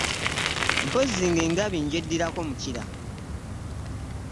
Mpozzi ng'engabi ngyeddirako mukira!